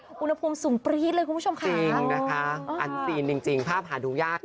อุณหภูมิสูงปรี๊ดเลยคุณผู้ชมค่ะจริงนะคะอันซีนจริงจริงภาพหาดูยากนะ